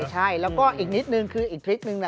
ใช่แล้วก็อีกนิดนึงคืออีกทริคนึงนะ